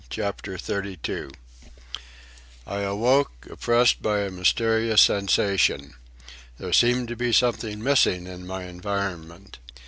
CHAPTER XXXII I awoke, oppressed by a mysterious sensation. There seemed something missing in my environment.